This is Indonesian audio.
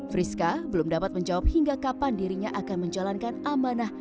friska belum dapat menjawab hingga kapan dirinya akan menjalankan amanah